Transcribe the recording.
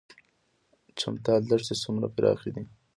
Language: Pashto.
چمتال دښتې څومره پراخې دي؟